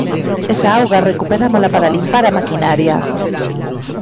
Esa auga recuperámola para limpar a maquinaria.